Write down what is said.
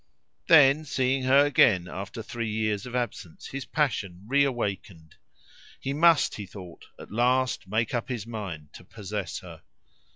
Then, seeing her again after three years of absence his passion reawakened. He must, he thought, at last make up his mind to possess her.